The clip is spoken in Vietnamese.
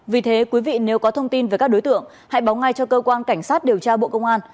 vì thế quý vị nếu có thông tin về các đối tượng hãy báo ngay cho cơ quan cảnh sát điều tra bộ công an